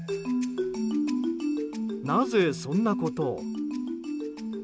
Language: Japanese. なぜ、そんなことを？